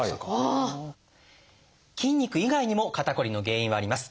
筋肉以外にも肩こりの原因はあります。